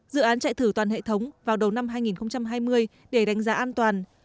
dự án chạy thử toàn hệ thống vào đầu năm hai nghìn hai mươi để đánh giá an toàn